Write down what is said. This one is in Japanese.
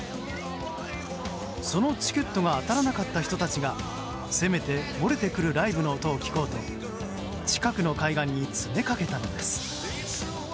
そのチケットが当たらなかった人たちがせめて漏れてくるライブの音を聴こうと近くの海岸に詰めかけたのです。